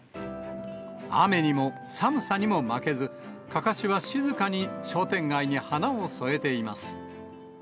雨にも寒さにも負けず、かかしは静かに商店街に花を添えています。